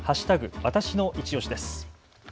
わたしのいちオシです。